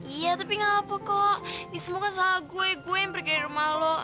iya tapi nggak apa kok ini semua kan salah gue gue yang pergi dari rumah lo